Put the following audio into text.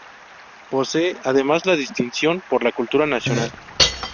Posee además la Distinción por la Cultura Nacional.